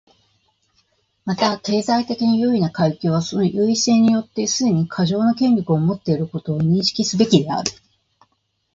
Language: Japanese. また、経済的に優位な階級はその優位性によってすでに過剰な権力を持っていることを認識すべきである。